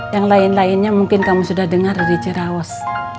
yang lain lainnya mungkin kamu sudah dengar dari jerawas